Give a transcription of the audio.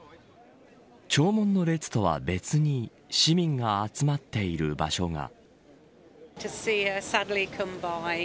弔問の列とは別に市民が集まっている場所が。